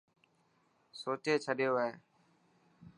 سوچي ڇڏيو هي.